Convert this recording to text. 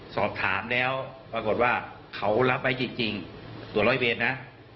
สอบถามแล้วปรากฏว่าเขารับไว้จริงตัวร้อยเวรนะ